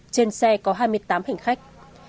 trên xe có hai mươi tám hành khách